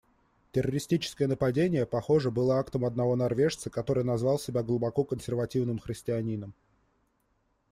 Террористическое нападение, похоже, было актом одного норвежца, который назвал себя глубоко консервативным христианином.